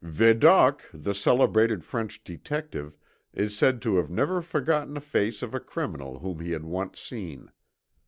Vidocq, the celebrated French detective, is said to have never forgotten a face of a criminal whom he had once seen.